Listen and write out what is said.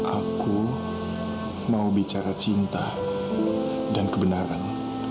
aku mau bicara cinta dan kebenaran